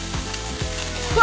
うわ！